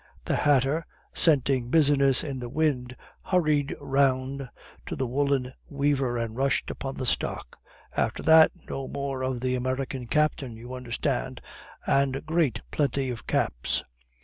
The hatter, scenting business in the wind, hurried round to the woolen weaver and rushed upon the stock. After that, no more of the American captain, you understand, and great plenty of caps.